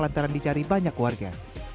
lantaran dicari banyak warga